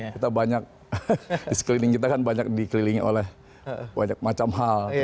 kita banyak di sekeliling kita kan banyak dikelilingi oleh banyak macam hal